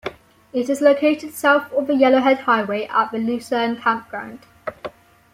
It is located south of the Yellowhead Highway at Lucerne Campground.